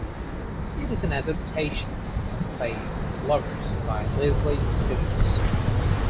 It is an adaptation of the play, "The Lovers", by Leslie Stevens.